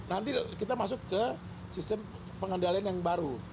nanti kita masuk ke sistem pengendalian yang baru